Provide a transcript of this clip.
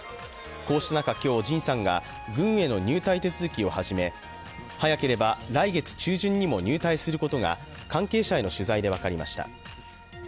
こうした中今日、ＪＩＮさんが軍への入隊手続きを始め早ければ来月中旬にも入隊することが、関係者への取材で分かりました。